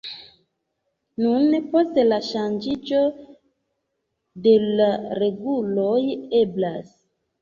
Nun, post la ŝanĝiĝo de la reguloj eblas.